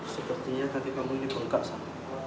sepertinya nanti kamu dibongkak sam